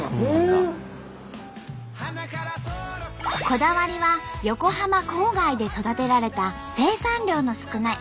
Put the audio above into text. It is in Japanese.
こだわりは横浜郊外で育てられた生産量の少ない貴重な小麦。